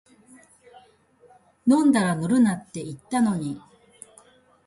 飲んだら乗るなって言ったのに